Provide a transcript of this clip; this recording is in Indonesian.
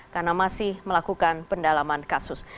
karena masih melakukan pendalaman kasus